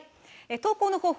投稿の方法